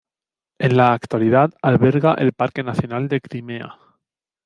En la actualidad alberga el parque nacional de Crimea.